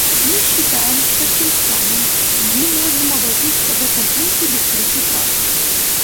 Мы считаем, что тем самым мы можем обойтись в этом пункте без третьей фразы.